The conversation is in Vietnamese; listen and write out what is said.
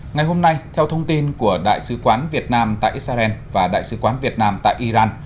ngày hôm nay theo thông tin của đại sứ quán việt nam tại israel và đại sứ quán việt nam tại iran